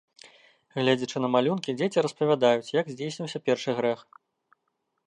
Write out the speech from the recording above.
Гледзячы на малюнкі, дзеці распавядаюць, як здзейсніўся першы грэх.